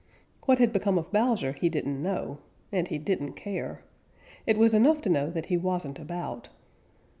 What had become of Bowser he didn't know, and he didn't care. It was enough to know that he wasn't about.